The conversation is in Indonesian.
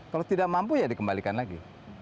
kalau tidak mampu ya dikembalikan lagi